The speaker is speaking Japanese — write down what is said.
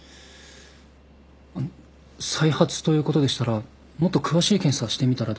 あの再発ということでしたらもっと詳しい検査してみたらどうですか？